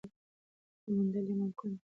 خو موندل یې ممکن دي.